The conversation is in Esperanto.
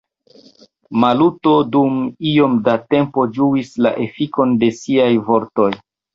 Maluto dum iom da tempo ĝuis la efikon de siaj vortoj.